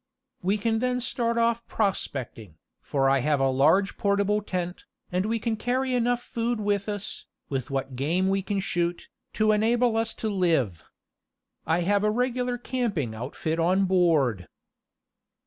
We can then start off prospecting, for I have a large portable tent, and we can carry enough food with us, with what game we can shoot, to enable us to live. I have a regular camping outfit on board."